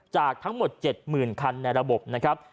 จากทั้งหมด๗๐๐คันในระบบนะครับ